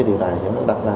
điều này cũng đặt ra